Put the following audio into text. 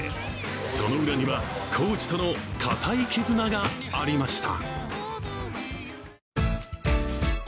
その裏には、コーチとの固い絆がありました。